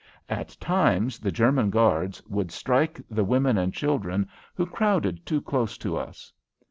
At times the German guards would strike the women and children who crowded too close to us.